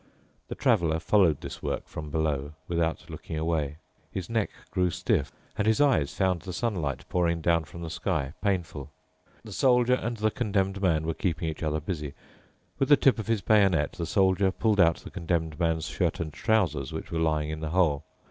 The Traveler followed this work from below without looking away. His neck grew stiff, and his eyes found the sunlight pouring down from the sky painful. The Soldier and the Condemned Man were keeping each other busy. With the tip of his bayonet the Soldier pulled out the Condemned Man's shirt and trousers which were lying in the hole.